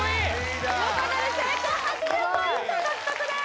横取り成功８０ポイント獲得です！